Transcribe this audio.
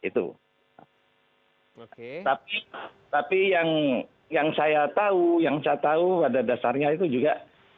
tapi yang saya tahu pada dasarnya itu juga